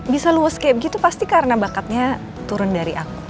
bisa luas kayak begitu pasti karena bakatnya turun dari aku